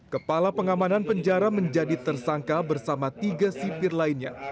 kepala pengamanan penjara menjadi tersangka bersama tiga sipir lainnya